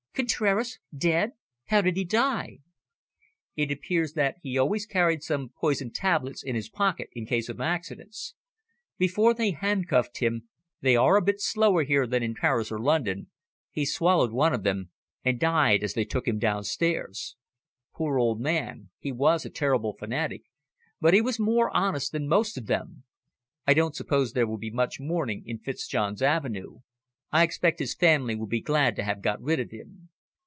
"Contraras dead? How did he die?" "It appears that he always carried some poisoned tablets in his pocket in case of accidents. Before they handcuffed him they are a bit slower here than in Paris or London he swallowed one of them, and died as they took him downstairs. Poor old man! He was a terrible fanatic, but he was more honest than most of them. I don't suppose there will be much mourning in Fitzjohn's Avenue. I expect his family will be glad to have got rid of him."